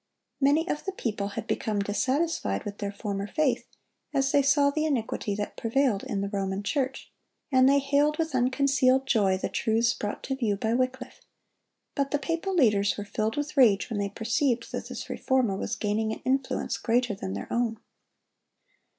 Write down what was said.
Many of the people had become dissatisfied with their former faith, as they saw the iniquity that prevailed in the Roman Church, and they hailed with unconcealed joy the truths brought to view by Wycliffe; but the papal leaders were filled with rage when they perceived that this Reformer was gaining an influence greater than their own.